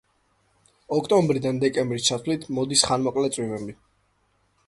ოქტომბრიდან დეკემბრის ჩათვლით მოდის ხანმოკლე წვიმები.